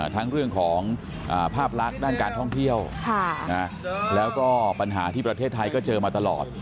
ทั้งเรื่องของภาพลักษณ์ด้านการท่องเที่ยวแล้วก็ปัญหาที่ประเทศไทยก็เจอมาตลอด